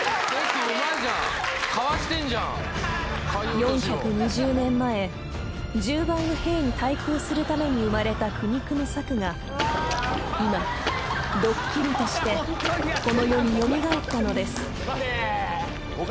［４２０年前１０倍の兵に対抗するために生まれた苦肉の策が今ドッキリとしてこの世に蘇ったのです］